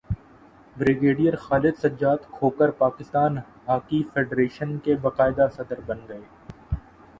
brigadier Khalid Sajjad Khokhar Pakistan hockey federation کے باقاعدہ صدر بن گئے